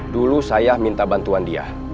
dulu saya minta bantuan dia